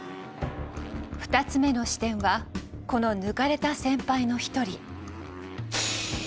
２つ目の視点はこの抜かれた先輩の一人。